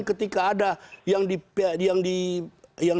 ketika ada yang